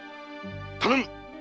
頼む！